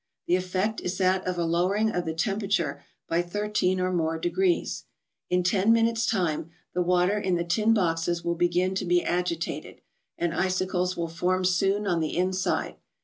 The effect is that of a lowering of the tempera¬ ture by thirteen, or more degrees. In ten minutes' time the water in the tin boxes will begin to be agitated, and icicles will form soon on the inside.